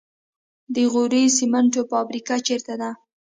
د غوري سمنټو فابریکه چیرته ده؟